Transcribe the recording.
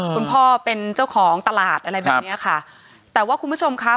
คุณพ่อเป็นเจ้าของตลาดอะไรแบบเนี้ยค่ะแต่ว่าคุณผู้ชมครับ